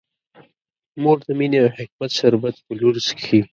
مور د مینې او حکمت شربت په لور څښي.